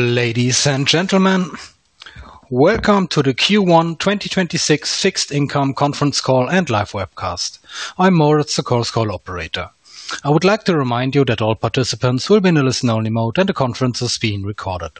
Ladies and gentlemen, welcome to the Q1 2026 Fixed Income Conference Call and Live Webcast. I'm Moritz, the Chorus Call operator. I would like to remind you that all participants will be in a listen-only mode, and the conference is being recorded.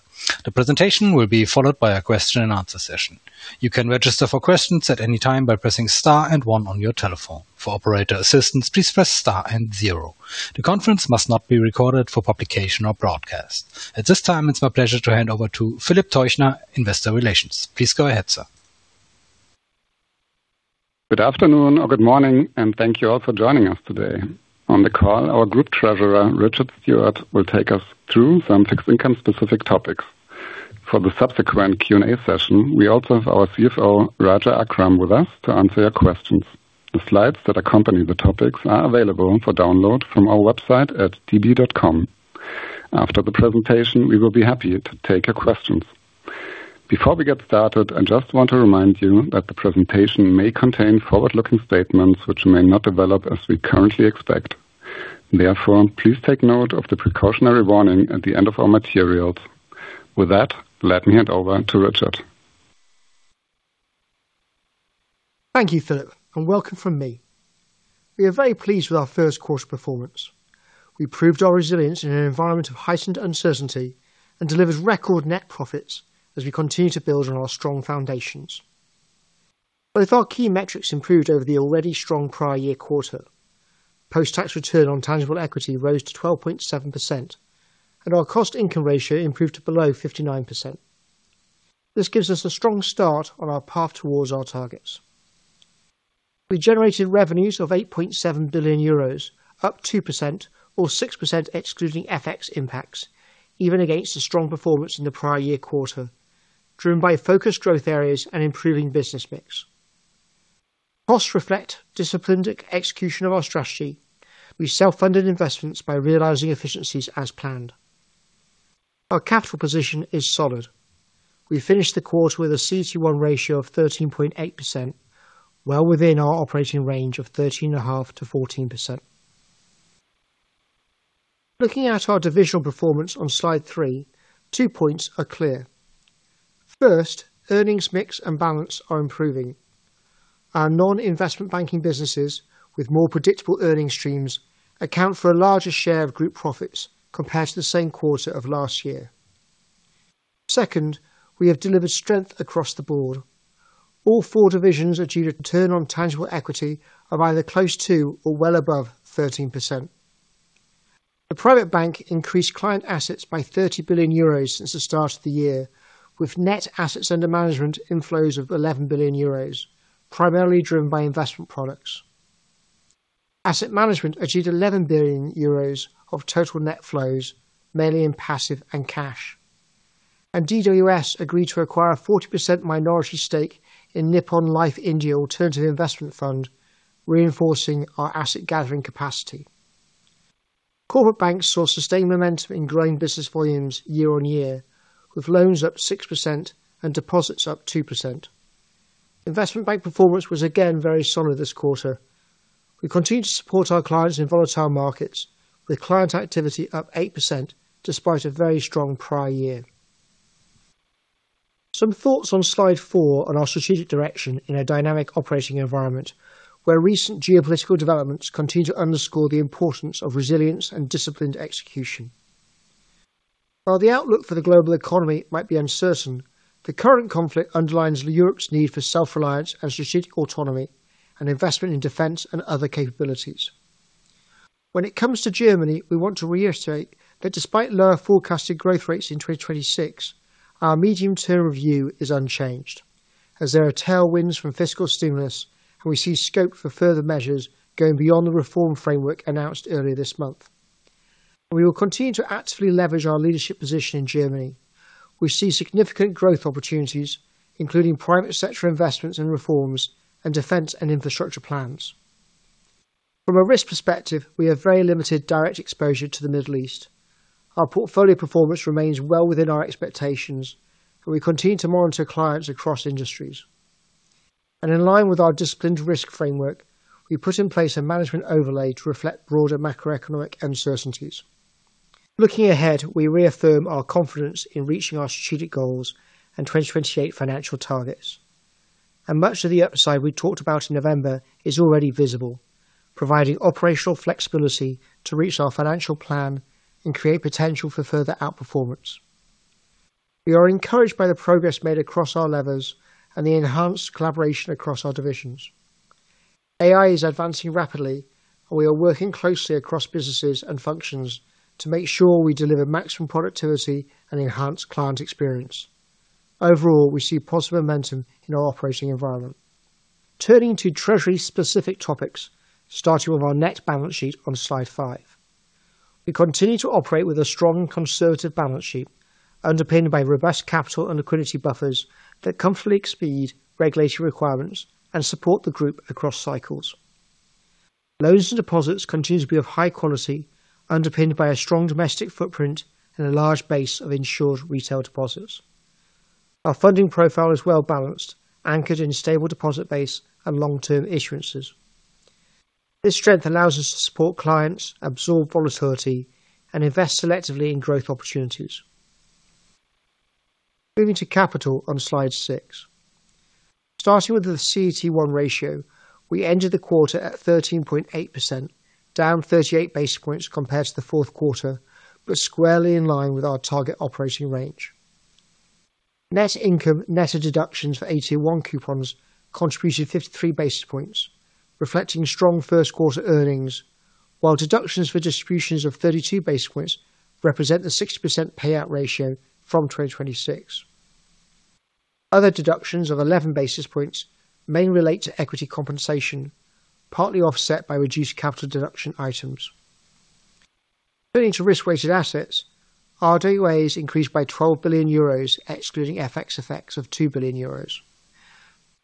The presentation will be followed by a question-and-answer session. You can register for questions at any time by pressing star one on your telephone. For operator assistance, please press star and zero. The conference must not be recorded for publication or broadcast. At this time, it's my pleasure to hand over to Philip Teuchner, Investor Relations. Please go ahead, sir. Good afternoon or good morning. Thank you all for joining us today. On the call, our Group Treasurer, Richard Stewart, will take us through some fixed income specific topics. For the subsequent Q&A session, we also have our CFO, Raja Akram, with us to answer your questions. The slides that accompany the topics are available for download from our website at db.com. After the presentation, we will be happy to take your questions. Before we get started, I just want to remind you that the presentation may contain forward-looking statements which may not develop as we currently expect. Therefore, please take note of the precautionary warning at the end of our materials. With that, let me hand over to Richard. Thank you, Philip, and welcome from me. We are very pleased with our first quarter performance. We proved our resilience in an environment of heightened uncertainty and delivered record net profits as we continue to build on our strong foundations. Both our key metrics improved over the already strong prior year quarter. Post-Tax Return on Tangible Equity rose to 12.7%, and our Cost-Income Ratio improved to below 59%. This gives us a strong start on our path towards our targets. We generated revenues of 8.7 billion euros, up 2% or 6% excluding FX impacts, even against the strong performance in the prior year quarter, driven by focused growth areas and improving business mix. Costs reflect disciplined execution of our strategy. We self-funded investments by realizing efficiencies as planned. Our capital position is solid. We finished the quarter with a CET1 ratio of 13.8%, well within our operating range of 13.5%-14%. Looking at our divisional performance on slide three, two points are clear. First, earnings mix and balance are improving. Our non-investment banking businesses with more predictable earning streams account for a larger share of group profits compared to the same quarter of last year. Second, we have delivered strength across the board. All four divisions are due to return on tangible equity of either close to or well above 13%. The private bank increased client assets by 30 billion euros since the start of the year, with net assets under management inflows of 11 billion euros, primarily driven by investment products. Asset Management achieved 11 billion euros of total net flows, mainly in passive and cash. DWS agreed to acquire a 40% minority stake in Nippon Life India AIF Management Limited, reinforcing our asset-gathering capacity. Corporate banks saw sustained momentum in growing business volumes year-on-year, with loans up 6% and deposits up 2%. Investment bank performance was again very solid this quarter. We continue to support our clients in volatile markets, with client activity up 8% despite a very strong prior year. Some thoughts on slide four on our strategic direction in a dynamic operating environment where recent geopolitical developments continue to underscore the importance of resilience and disciplined execution. While the outlook for the global economy might be uncertain, the current conflict underlines Europe's need for self-reliance and strategic autonomy and investment in defense and other capabilities. When it comes to Germany, we want to reiterate that despite lower forecasted growth rates in 2026, our medium-term view is unchanged, as there are tailwinds from fiscal stimulus, and we see scope for further measures going beyond the reform framework announced earlier this month. We will continue to actively leverage our leadership position in Germany. We see significant growth opportunities, including private sector investments and reforms and defense and infrastructure plans. From a risk perspective, we have very limited direct exposure to the Middle East. Our portfolio performance remains well within our expectations, and we continue to monitor clients across industries. In line with our disciplined risk framework, we put in place a management overlay to reflect broader macroeconomic uncertainties. Looking ahead, we reaffirm our confidence in reaching our strategic goals and 2028 financial targets. Much of the upside we talked about in November is already visible, providing operational flexibility to reach our financial plan and create potential for further outperformance. We are encouraged by the progress made across our levers and the enhanced collaboration across our divisions. AI is advancing rapidly, and we are working closely across businesses and functions to make sure we deliver maximum productivity and enhance client experience. Overall, we see positive momentum in our operating environment. Turning to treasury-specific topics, starting with our net balance sheet on slide 5. We continue to operate with a strong conservative balance sheet underpinned by robust capital and liquidity buffers that comfortably exceed regulatory requirements and support the group across cycles. Loans and deposits continue to be of high quality, underpinned by a strong domestic footprint and a large base of insured retail deposits. Our funding profile is well-balanced, anchored in a stable deposit base and long-term issuances. This strength allows us to support clients, absorb volatility, and invest selectively in growth opportunities. Moving to capital on slide six. Starting with the CET1 ratio, we ended the quarter at 13.8%, down 38 basis points compared to the fourth quarter, but squarely in line with our target operating range. Net income, net of deductions for AT1 coupons, contributed 53 basis points, reflecting strong first quarter earnings, while deductions for distributions of 32 basis points represent the 60% payout ratio from 2026. Other deductions of 11 basis points mainly relate to equity compensation, partly offset by reduced capital deduction items. Turning to Risk-Weighted Assets, RWA increased by 12 billion euros, excluding FX effects of 2 billion euros.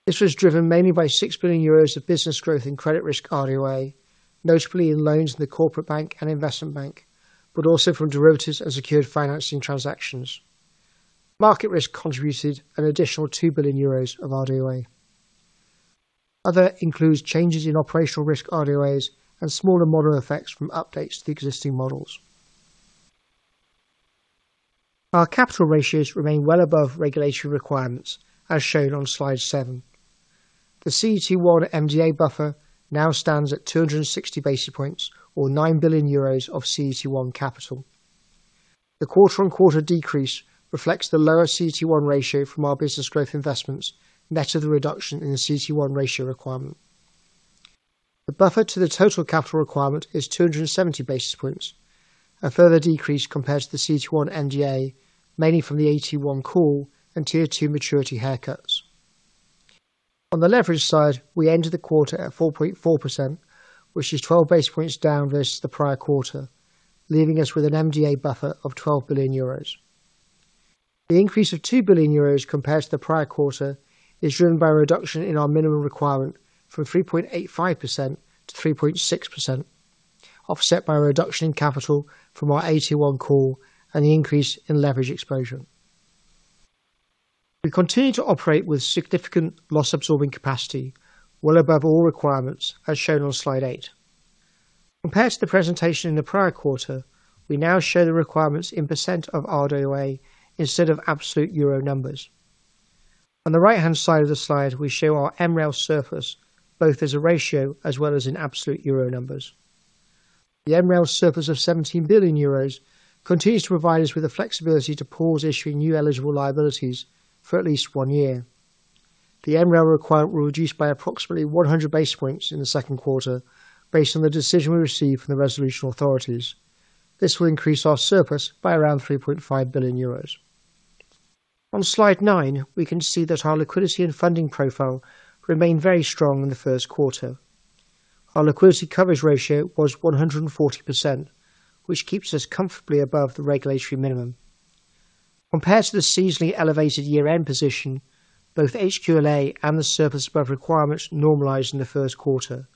This was driven mainly by 6 billion euros of business growth in credit risk RWA, notably in loans in the Corporate Bank and Investment Bank, but also from derivatives and secured financing transactions. Market risk contributed an additional 2 billion euros of RWA. Other includes changes in operational risk RWAs and smaller model effects from updates to the existing models. Our capital ratios remain well above regulatory requirements, as shown on slide seven. The CET1 MDA buffer now stands at 260 basis points or 9 billion euros of CET1 capital. The quarter-on-quarter decrease reflects the lower CET1 ratio from our business growth investments net of the reduction in the CET1 ratio requirement. The buffer to the total capital requirement is 270 basis points, a further decrease compared to the CET1 MDA, mainly from the AT1 call and Tier 2 maturity haircuts. On the leverage side, we ended the quarter at 4.4%, which is 12 basis points down versus the prior quarter, leaving us with an MDA buffer of 12 billion euros. The increase of 2 billion euros compared to the prior quarter is driven by a reduction in our minimum requirement from 3.85%-3.6%, offset by a reduction in capital from our AT1 call and the increase in leverage exposure. We continue to operate with significant loss absorbing capacity well above all requirements, as shown on slide 8. Compared to the presentation in the prior quarter, we now show the requirements in percent of RWA instead of absolute euro numbers. On the right-hand side of the slide, we show our MREL surplus both as a ratio as well as in absolute euro numbers. The MREL surplus of EUR 17 billion continues to provide us with the flexibility to pause issuing new eligible liabilities for at least one year. The MREL requirement will reduce by approximately 100 basis points in the second quarter based on the decision we receive from the resolution authorities. This will increase our surplus by around 3.5 billion euros. On slide nine, we can see that our liquidity and funding profile remained very strong in the first quarter. Our liquidity coverage ratio was 140%, which keeps us comfortably above the regulatory minimum. Compared to the seasonally elevated year-end position, both HQLA and the surplus above requirements normalized in the first quarter,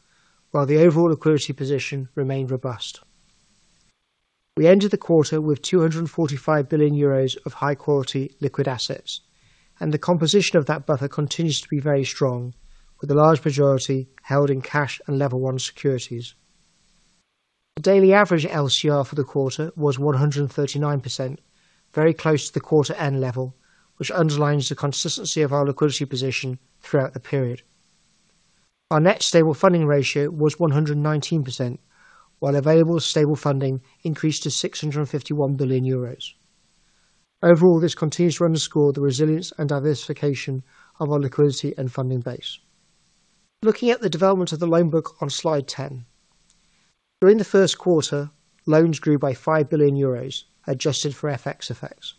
while the overall liquidity position remained robust. We ended the quarter with 245 billion euros of High Quality Liquid Assets, the composition of that buffer continues to be very strong with the large majority held in cash and Level 1 securities. The daily average LCR for the quarter was 139%, very close to the quarter-end level, which underlines the consistency of our liquidity position throughout the period. Our Net Stable Funding Ratio was 119%, while available stable funding increased to 651 billion euros. Overall, this continues to underscore the resilience and diversification of our liquidity and funding base. Looking at the development of the loan book on slide 10. During the first quarter, loans grew by 5 billion euros, adjusted for FX effects.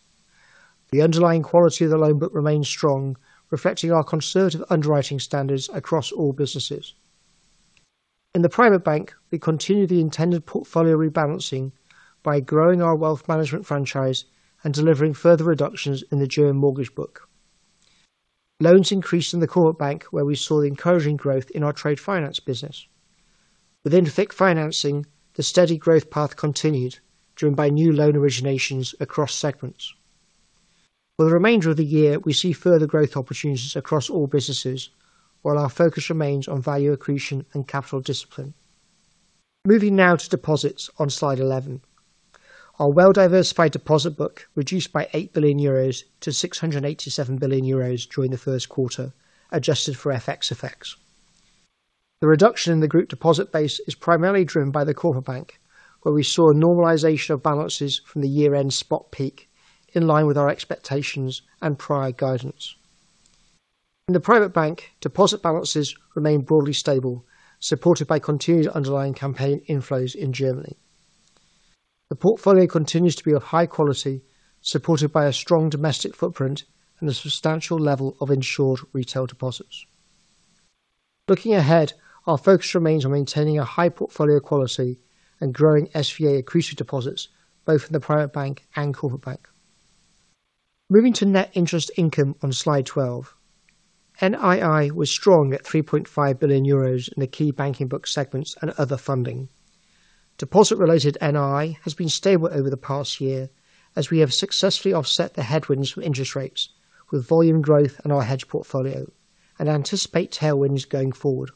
The underlying quality of the loan book remains strong, reflecting our conservative underwriting standards across all businesses. In the private bank, we continue the intended portfolio rebalancing by growing our wealth management franchise and delivering further reductions in the German mortgage book. Loans increased in the corporate bank, where we saw encouraging growth in our trade finance business. Within FIC financing, the steady growth path continued, driven by new loan originations across segments. For the remainder of the year, we see further growth opportunities across all businesses, while our focus remains on value accretion and capital discipline. Moving now to deposits on slide 11. Our well-diversified deposit book reduced by 8 billion-687 billion euros during the first quarter, adjusted for FX effects. The reduction in the group deposit base is primarily driven by the Corporate Bank, where we saw a normalization of balances from the year-end spot peak, in line with our expectations and prior guidance. In the private bank, deposit balances remain broadly stable, supported by continued underlying campaign inflows in Germany. The portfolio continues to be of high quality, supported by a strong domestic footprint and a substantial level of insured retail deposits. Looking ahead, our focus remains on maintaining a high portfolio quality and growing SVA accretive deposits both in the private bank and corporate bank. Moving to net interest income on slide 12. NII was strong at EUR 3.5 billion in the key banking book segments and other funding. Deposit related NII has been stable over the past year as we have successfully offset the headwinds with interest rates with volume growth in our hedge portfolio and anticipate tailwinds going forward.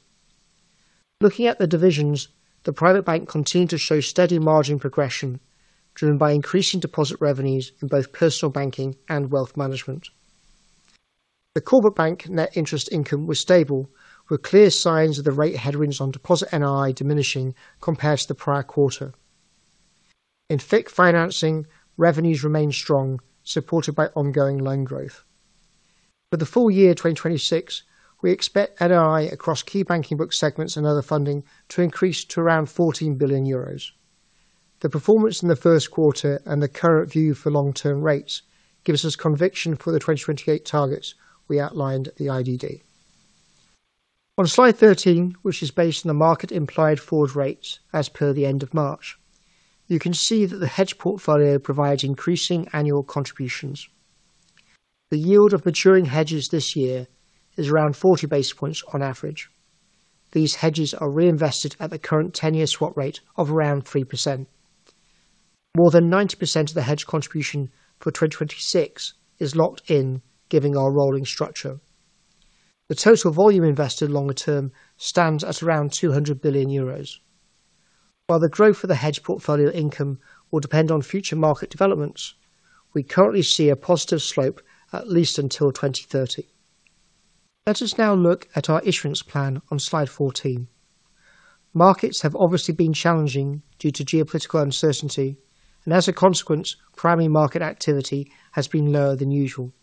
Looking at the divisions, the private bank continued to show steady margin progression driven by increasing deposit revenues in both personal banking and wealth management. The corporate bank net interest income was stable with clear signs of the rate headwinds on deposit NII diminishing compared to the prior quarter. In FIC financing, revenues remain strong, supported by ongoing loan growth. For the full year 2026, we expect NII across key banking book segments and other funding to increase to around 14 billion euros. The performance in the first quarter and the current view for long term rates gives us conviction for the 2028 targets we outlined at the IDD. On slide 13, which is based on the market implied forward rates as per the end of March, you can see that the hedge portfolio provides increasing annual contributions. The yield of maturing hedges this year is around 40 basis points on average. These hedges are reinvested at the current 10-year swap rate of around 3%. More than 90% of the hedge contribution for 2026 is locked in given our rolling structure. The total volume invested longer term stands at around 200 billion euros. While the growth of the hedge portfolio income will depend on future market developments, we currently see a positive slope at least until 2030. Let us now look at our issuance plan on slide 14. Markets have obviously been challenging due to geopolitical uncertainty and as a consequence, primary market activity has been lower than usual.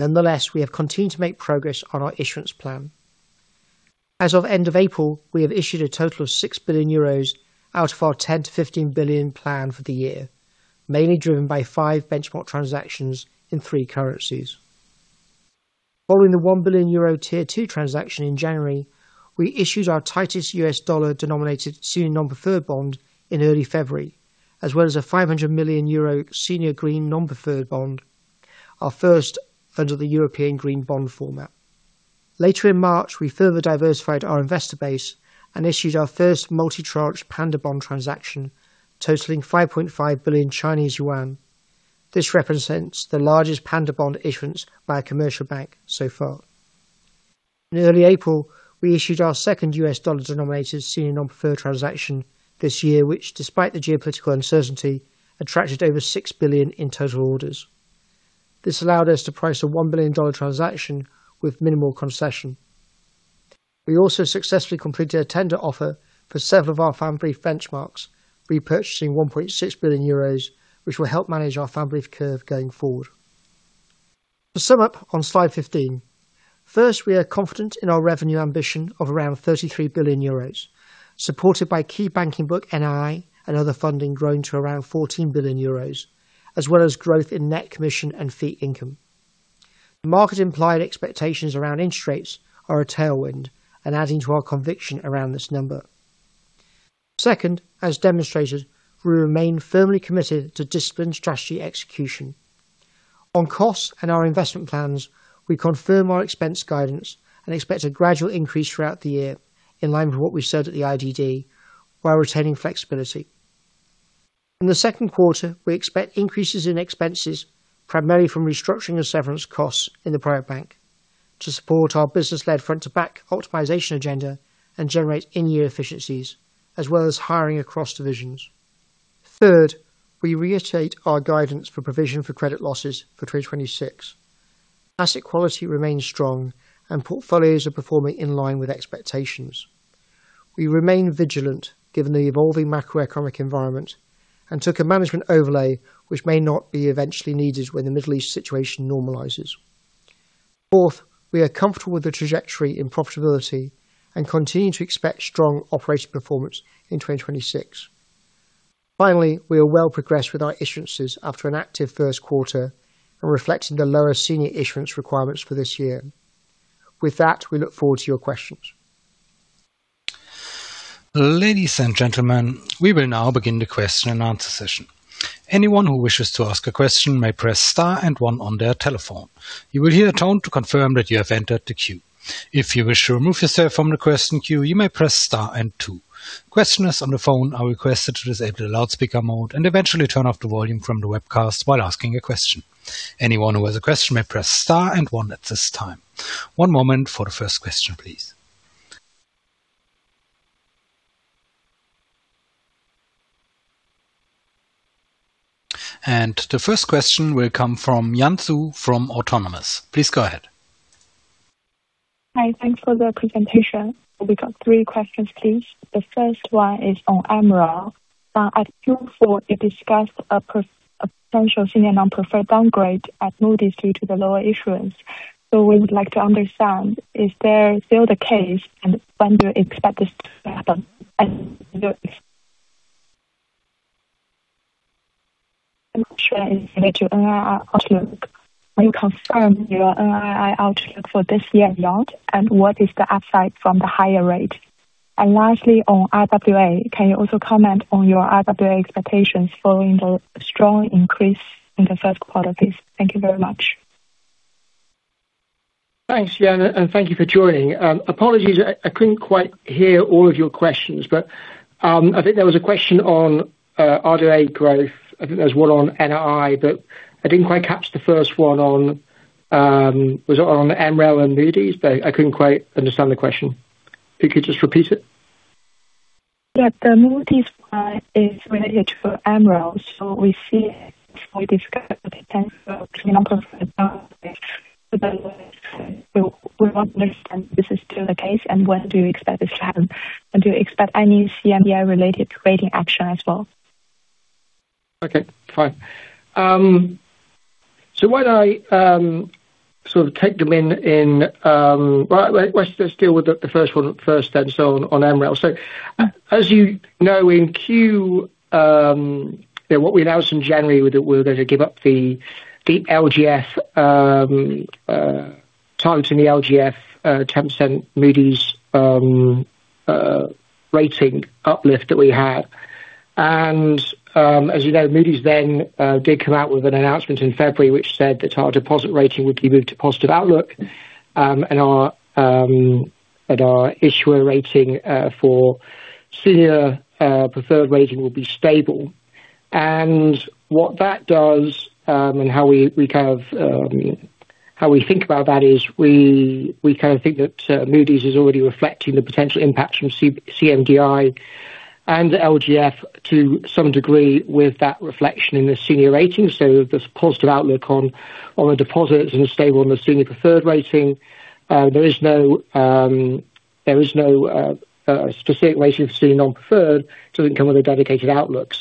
Nonetheless, we have continued to make progress on our issuance plan. As of end of April, we have issued a total of 6 billion euros out of our 10 billion-15 billion plan for the year, mainly driven by five benchmark transactions in three currencies. Following the 1 billion euro Tier 2 transaction in January, we issued our tightest U.S. dollar denominated Senior Non-Preferred bond in early February, as well as a 500 million euro EUR Green Non-Preferred Bond, our first under the European Green Bond format. Later in March, we further diversified our investor base and issued our first multi-tranche Panda bond transaction totaling 5.5 billion Chinese yuan. This represents the largest Panda bond issuance by a commercial bank so far. In early April, we issued our second U.S. dollar denominated Senior Non-Preferred transaction this year, which despite the geopolitical uncertainty, attracted over $6 billion in total orders. This allowed us to price a $1 billion transaction with minimal concession. We also successfully completed a tender offer for several of our Pfandbrief benchmarks, repurchasing 1.6 billion euros, which will help manage our Pfandbrief curve going forward. To sum up on slide 15. First, we are confident in our revenue ambition of around 33 billion euros, supported by key banking book NII and other funding growing to around 14 billion euros, as well as growth in net commission and fee income. The market implied expectations around interest rates are a tailwind and adding to our conviction around this number. Second, as demonstrated, we remain firmly committed to disciplined strategy execution. On costs and our investment plans, we confirm our expense guidance and expect a gradual increase throughout the year in line with what we said at the IDD while retaining flexibility. In the second quarter, we expect increases in expenses primarily from restructuring and severance costs in the private bank to support our business-led front to back optimization agenda and generate in-year efficiencies as well as hiring across divisions. Third, we reiterate our guidance for provision for credit losses for 2026. Asset quality remains strong and portfolios are performing in line with expectations. We remain vigilant given the evolving macroeconomic environment and took a management overlay which may not be eventually needed when the Middle East situation normalizes. Fourth, we are comfortable with the trajectory in profitability and continue to expect strong operating performance in 2026. Finally, we are well progressed with our issuances after an active 1st quarter and reflecting the lower senior issuance requirements for this year. With that, we look forward to your questions. Ladies and gentlemen, we will now begin the question-and-answer session. Anyone who wishes to ask a question may press star and one on their telephone. You will hear a tone to confirm that you have entered the queue. If you wish to remove yourself from the question queue, you may press star and two. Questioners on the phone are requested to disable the loudspeaker mode and eventually turn off the volume from the webcast while asking a question. Anyone who has a question may press star and one at this time. One moment for the first question, please. The first question will come from Yan Zhu from Autonomous. Please go ahead. Hi. Thanks for the presentation. We got three questions, please. The first one is on MREL. At Q4, you discussed a potential Senior Non-Preferred downgrade at Moody's due to the lower issuance. We would like to understand, is there still the case and when do you expect this to happen? Outlook. Will you confirm your NII outlook for this year or not, and what is the upside from the higher rate? Lastly, on RWA, can you also comment on your RWA expectations following the strong increase in the first quarter, please? Thank you very much. Thanks, Yan, and thank you for joining. Apologies, I couldn't quite hear all of your questions, but I think there was a question on RWA growth. I think there's one on NII, but I didn't quite catch the first one on. Was it on MREL and Moody's? I couldn't quite understand the question. If you could just repeat it. Yeah. The Moody's one is related to MREL. We see. [inaudible] We want to understand if this is still the case, and when do you expect this to happen? Do you expect any CMDI-related rating action as well? Okay. Fine. Why don't I sort of take them in. Well, let's just deal with the first one first then, on MREL. As you know, in Q, what we announced in January, we're gonna give up the LGF times in the LGF 10% Moody's rating uplift that we had. As you know, Moody's did come out with an announcement in February which said that our deposit rating would be moved to positive outlook, and our issuer rating for senior preferred rating will be stable. What that does, and how we kind of, how we think about that is we kind of think that Moody's is already reflecting the potential impact from CMDI and LGF to some degree with that reflection in the senior rating. There's positive outlook on the deposits and stable on the Senior Preferred rating. There is no specific rating for Senior Non-Preferred, it doesn't come with a dedicated outlook.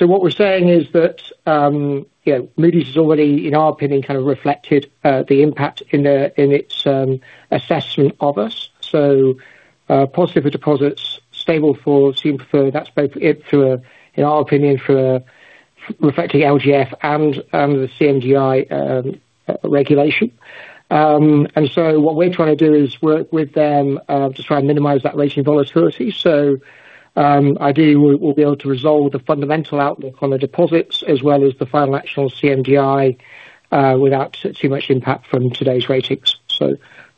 What we're saying is that, you know, Moody's has already, in our opinion, kind of reflected the impact in its assessment of us. Positive for deposits, stable for Senior Preferred, that's both it for, in our opinion, for reflecting LGF and the CMDI regulation. What we're trying to do is work with them to try and minimize that rating volatility. Ideally, we'll be able to resolve the fundamental outlook on the deposits as well as the final action on CMDI without too much impact from today's ratings.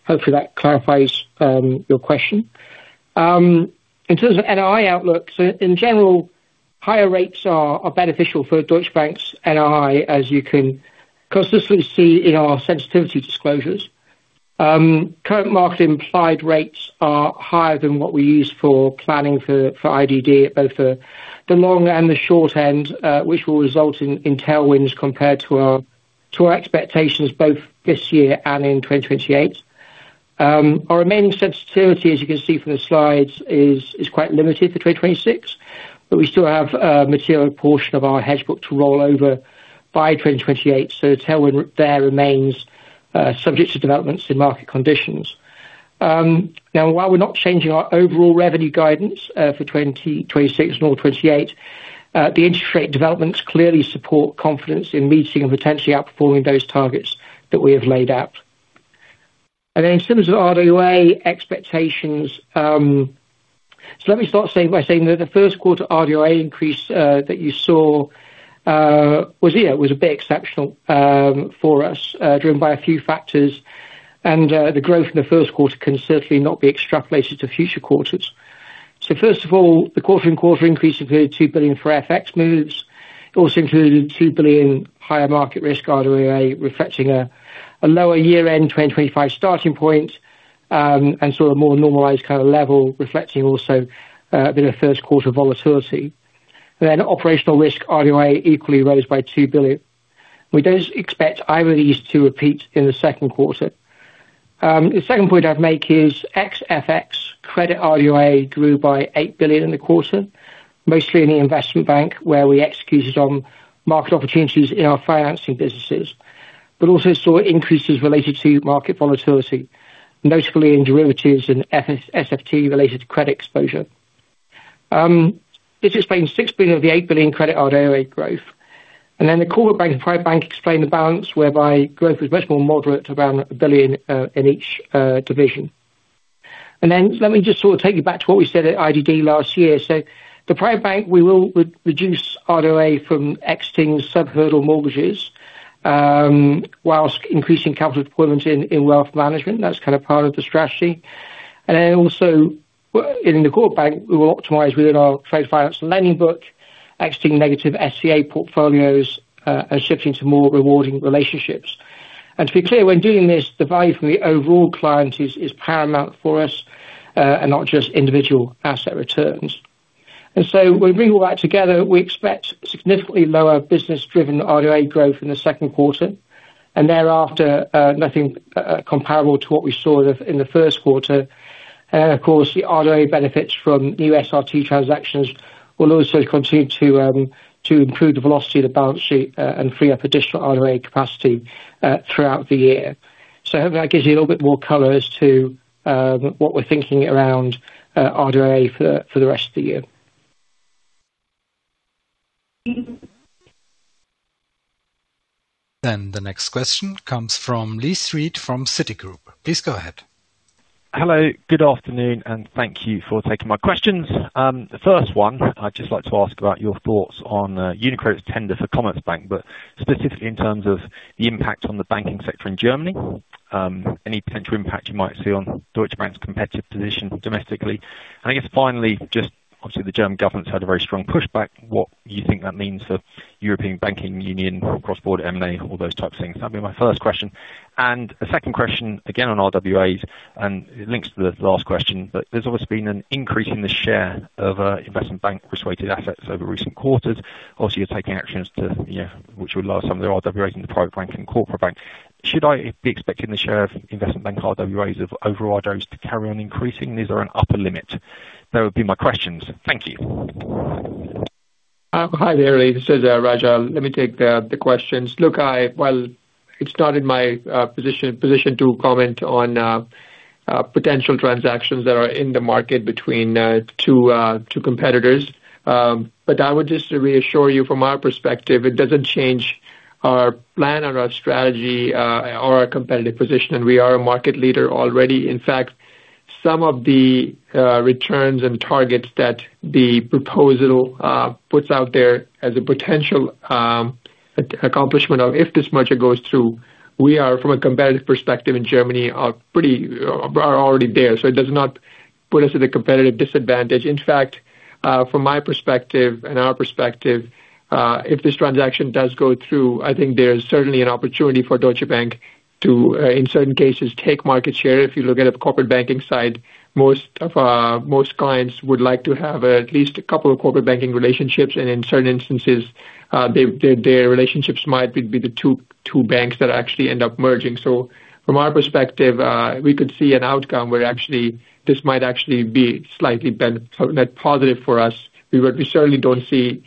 Hopefully that clarifies your question. In terms of NII outlook, in general, higher rates are beneficial for Deutsche Bank's NII, as you can consistently see in our sensitivity disclosures. Current market implied rates are higher than what we use for planning for IDD at both the long and the short end, which will result in tailwinds compared to our expectations both this year and in 2028. Our remaining sensitivity, as you can see from the slides, is quite limited for 2026, but we still have a material portion of our hedge book to roll over by 2028, so the tailwind there remains subject to developments in market conditions. Now, while we're not changing our overall revenue guidance for 2026 nor 2028, the interest rate developments clearly support confidence in meeting and potentially outperforming those targets that we have laid out. In terms of ROA expectations, let me start by saying that the first quarter ROA increase that you saw was a bit exceptional for us, driven by a few factors. The growth in the first quarter can certainly not be extrapolated to future quarters. First of all, the quarter-on-quarter increase included 2 billion for FX moves. It also included 2 billion higher market risk RWA, reflecting a lower year-end 2025 starting point, and sort of more normalized kind of level reflecting also the first quarter volatility. Operational risk RWA equally rose by 2 billion. We don't expect either of these to repeat in the second quarter. The second point I'd make is ex FX credit RWA grew by 8 billion in the quarter, mostly in the investment bank, where we executed on market opportunities in our financing businesses, but also saw increases related to market volatility, notably in derivatives and SFT related credit exposure. This explains 6 billion of the 8 billion credit RWA growth. The corporate bank and private bank explain the balance whereby growth was much more moderate to around 1 billion in each division. Let me just sort of take you back to what we said at IDD last year. The private bank, we will reduce ROA from exiting sub-hurdle mortgages whilst increasing capital deployment in wealth management. That's kind of part of the strategy. In the corporate bank, we will optimize within our trade finance and lending book, exiting negative SCA portfolios and shifting to more rewarding relationships. To be clear, when doing this, the value from the overall client is paramount for us and not just individual asset returns. When we bring all that together, we expect significantly lower business-driven ROA growth in the second quarter, and thereafter, nothing comparable to what we saw the, in the first quarter. Of course, the ROA benefits from new SRT transactions will also continue to improve the velocity of the balance sheet, and free up additional ROA capacity throughout the year. Hopefully that gives you a little bit more color as to what we're thinking around ROA for the rest of the year. The next question comes from Lee Street from Citigroup. Please go ahead. Hello, good afternoon, and thank you for taking my questions. The first one, I'd just like to ask about your thoughts on UniCredit's tender for Commerzbank, but specifically in terms of the impact on the banking sector in Germany. Any potential impact you might see on Deutsche Bank's competitive position domestically. I guess finally, just obviously, the German government's had a very strong pushback, what you think that means for European banking union for cross-border M&A, all those type of things. That'd be my first question. The second question, again, on RWAs, and it links to the last question. There's always been an increase in the share of investment bank-related assets over recent quarters. Also, you're taking actions to, you know, which will allow some of the RWAs in the private bank and corporate bank. Should I be expecting the share of investment bank RWAs of overall RWAs to carry on increasing? Is there an upper limit? That would be my questions. Thank you. Hi there. This is Raja. Let me take the questions. Look, well, it's not in my position to comment on potential transactions that are in the market between two competitors. I would just reassure you from our perspective, it doesn't change our plan or our strategy or our competitive position. We are a market leader already. In fact, some of the returns and targets that the proposal puts out there as a potential accomplishment of if this merger goes through, we are, from a competitive perspective in Germany, are pretty are already there. It does not put us at a competitive disadvantage. In fact, from my perspective and our perspective, if this transaction does go through, I think there's certainly an opportunity for Deutsche Bank to, in certain cases, take market share. If you look at a corporate banking side, most clients would like to have at least two corporate banking relationships. In certain instances, their relationships might be the two banks that actually end up merging. From our perspective, we could see an outcome where actually this might actually be slightly net positive for us. We certainly don't see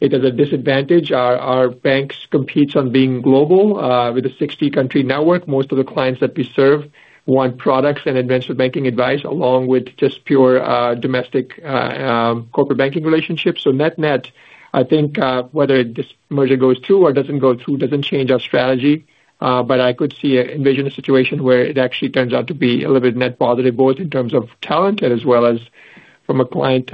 it as a disadvantage. Our banks competes on being global, with a 60-country network. Most of the clients that we serve want products and investment banking advice, along with just pure, domestic, corporate banking relationships. Net-net, I think, whether this merger goes through or doesn't go through doesn't change our strategy. But I could envision a situation where it actually turns out to be a little bit net positive, both in terms of talent as well as from a client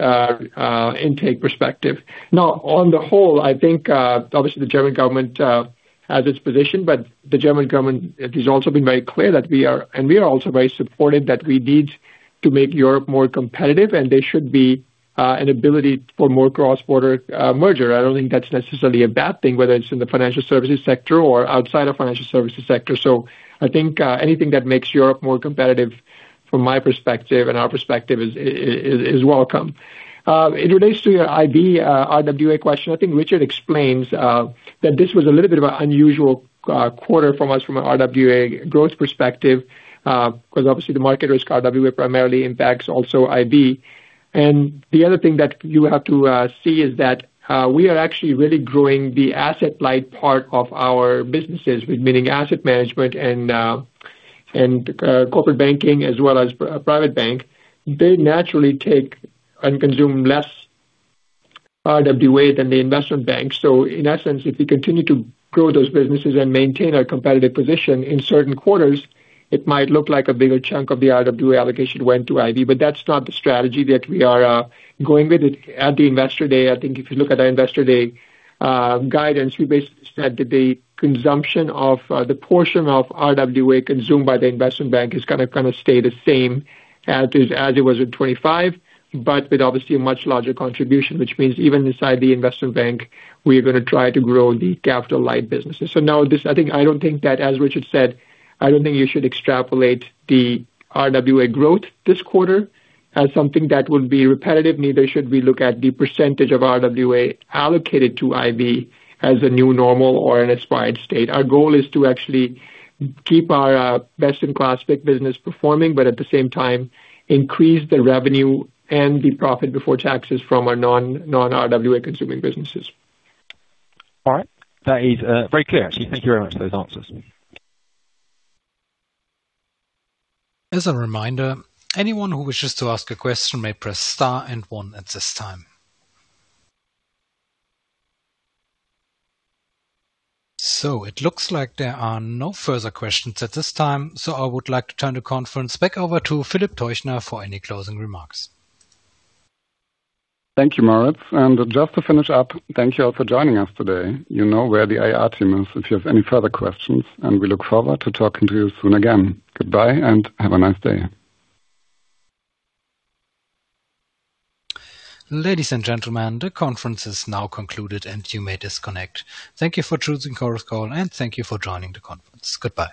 intake perspective. On the whole, I think, obviously, the German government has its position, but the German government has also been very clear that we are. We are also very supportive that we need to make Europe more competitive, and there should be an ability for more cross-border merger. I don't think that's necessarily a bad thing, whether it's in the financial services sector or outside of financial services sector. I think, anything that makes Europe more competitive from my perspective and our perspective is welcome. It relates to your IB, RWA question. I think Richard explains that this was a little bit of an unusual quarter from us from an RWA growth perspective, 'cause obviously the market risk RWA primarily impacts also IB. The other thing that you have to see is that we are actually really growing the asset light part of our businesses, meaning asset management and corporate banking as well as private bank. They naturally take and consume less RWA than the investment bank. In essence, if we continue to grow those businesses and maintain our competitive position, in certain quarters, it might look like a bigger chunk of the RWA allocation went to IB. That's not the strategy that we are going with it. At the Investor Day, I think if you look at our Investor Day guidance, we basically said that the consumption of the portion of RWA consumed by the investment bank is gonna kind of stay the same as it was in 25, but with obviously a much larger contribution, which means even inside the investment bank, we're gonna try to grow the capital-light businesses. Now I don't think that, as Richard said, I don't think you should extrapolate the RWA growth this quarter as something that would be repetitive. Neither should we look at the percentage of RWA allocated to IB as a new normal or an aspired state. Our goal is to actually keep our best-in-class FICC business performing, but at the same time increase the revenue and the profit before taxes from our non-RWA consuming businesses. All right. That is very clear, actually. Thank you very much for those answers. As a reminder, anyone who wishes to ask a question may press star and one at this time. It looks like there are no further questions at this time. I would like to turn the conference back over to Philip Teuchner for any closing remarks. Thank you, Moritz. Just to finish up, thank you all for joining us today. You know where the IR team is if you have any further questions. We look forward to talking to you soon again. Goodbye, and have a nice day. Ladies and gentlemen, the conference is now concluded, and you may disconnect. Thank you for choosing Chorus Call, and thank you for joining the conference. Goodbye.